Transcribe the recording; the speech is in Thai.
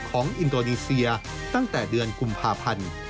อินโดนีเซียตั้งแต่เดือนกุมภาพันธ์